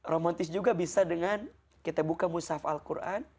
romantis juga bisa dengan kita buka musaf'al quran